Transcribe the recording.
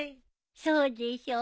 そうでしょ？